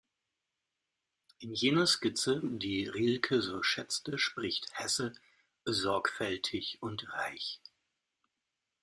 In jener Skizze, die Rilke so schätzte, spricht Hesse „sorgfältig und reich“.